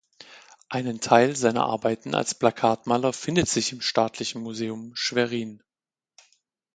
Einen Teil seiner Arbeiten als Plakatmaler findet sich im Staatlichen Museum Schwerin.